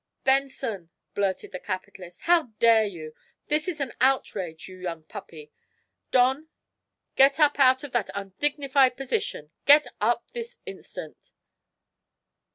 "Benson," blurted the capitalist, "how dare you? This is an outrage, you young puppy! Don, get up out of that undignified position. Get up this instant!"